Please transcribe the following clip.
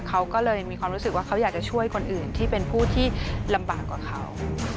เขาก็เลยมีความรู้สึกว่าเขาอยากจะช่วยคนอื่นที่เป็นผู้ที่ลำบากกว่าเขา